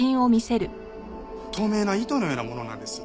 透明な糸のようなものなんです。